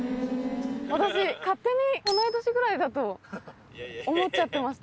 私勝手に同い年ぐらいだと思っちゃってました。